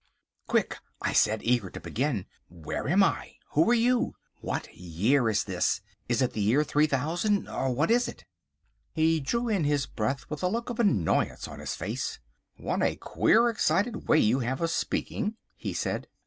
"Quick," I said, eager to begin; "where am I? Who are you? What year is this; is it the year 3000, or what is it?" He drew in his breath with a look of annoyance on his face. "What a queer, excited way you have of speaking," he said.